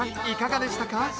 いかがでしたか？